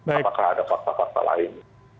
apakah ada fakta fakta lain